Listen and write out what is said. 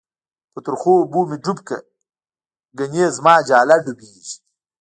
په ترخو اوبو می ډوب کړه، گڼی زماجاله ډوبیږی